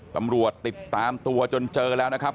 ตำรวจติดตามตัวจนเจอแล้วนะครับ